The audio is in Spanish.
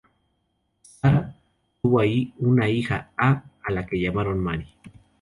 Sarah tuvo una hija A la que llamaron Mary.